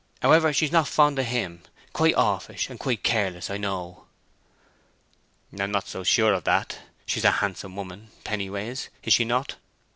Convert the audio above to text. However, she's not fond of him—quite offish and quite careless, I know." "I'm not so sure of that.... She's a handsome woman, Pennyways, is she not?